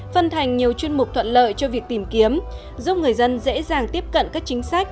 phân thành nhiều chuyên mục thuận lợi cho việc tìm kiếm giúp người dân dễ dàng tiếp cận các chính sách